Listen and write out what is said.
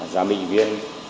giám định viên